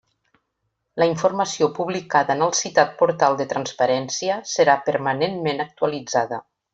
La informació publicada en el citat Portal de Transparència serà permanentment actualitzada.